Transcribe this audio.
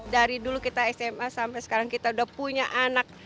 dari dulu kita sma sampai sekarang kita udah punya anak